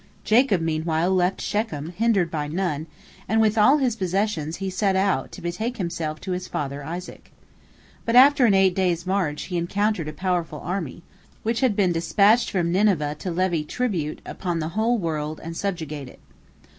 Jacob meanwhile left Shechem, hindered by none, and with all his possessions he set out, to betake himself to his father Isaac. But after an eight days' march he encountered a powerful army, which had been dispatched from Nineveh to levy tribute upon the whole world and subjugate it.